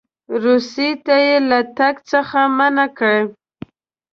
روسیې ته له تګ څخه منع کړي.